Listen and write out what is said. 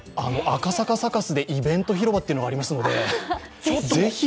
赤坂サカスでイベント広場というのがありますので、ぜひ！